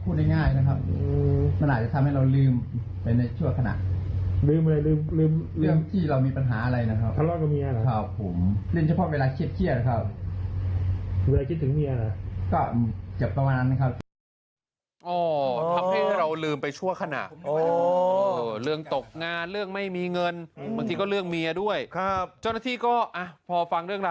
ทำไมอะนอกจากเพื่อนตกงานแล้วมีเรื่องอะไรอีกหรือเปล่า